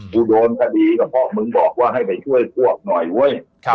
กูโดนถ้าดีก็พอมึงบอกว่าให้ไปช่วยพวกหน่อยว่ะ